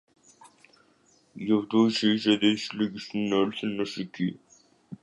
Γι' αυτό ίσα-ίσα δε θα συλλογιστούν να έλθουν ως εκεί